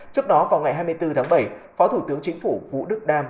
trước đó vào ngày hai mươi bốn tháng bảy phó thủ tướng chính phủ vũ đức đam